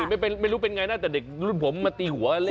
แต่เด็กไม่รู้เป็นไงนะแต่เด็กรุ่นผมมาตีหัวเล่น